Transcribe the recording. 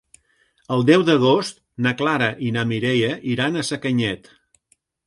El deu d'agost na Clara i na Mireia iran a Sacanyet.